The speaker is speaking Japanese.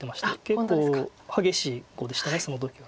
結構激しい碁でしたその時は。